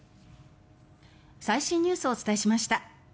最新ニュースをお伝えしました。